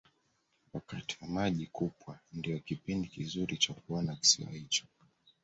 wakati wa maji kupwa ndiyo kipindi kizuri cha kuona kisiwa hicho